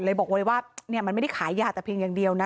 บอกเลยว่ามันไม่ได้ขายยาแต่เพียงอย่างเดียวนะ